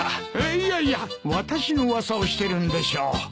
いやいや私の噂をしてるんでしょう。